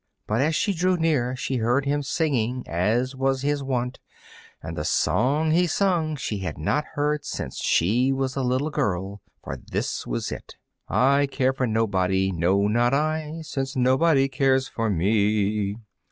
But as she drew near she heard him singing, as was his wont; and the song he sung she had not heard since she was a little girl, for this was it: "I care for nobody, no! not I, Since nobody cares for me."